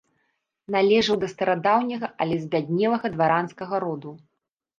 Належаў да старадаўняга, але збяднелага дваранскага роду.